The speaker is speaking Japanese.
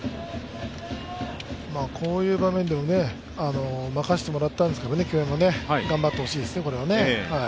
こういう場面でも任してもらったんですからね頑張ってほしいですね。